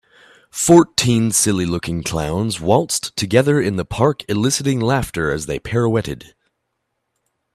Fourteen silly looking clowns waltzed together in the park eliciting laughter as they pirouetted.